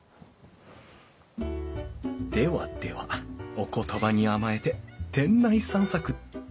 ではではお言葉に甘えて店内散策っと。